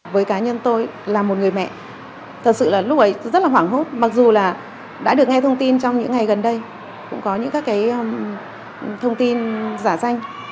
với cá nhân tôi là một người mẹ thật sự là lúc ấy rất là hoảng hốt mặc dù là đã được nghe thông tin trong những ngày gần đây cũng có những các cái thông tin giả danh